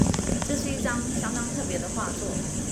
這是一張相當特別的畫作